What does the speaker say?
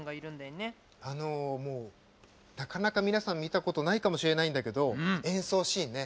なかなか皆さん見たことないかもしれないんだけど演奏シーンね。